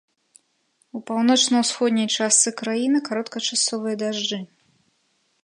У паўночна-усходняй частцы краіны кароткачасовыя дажджы.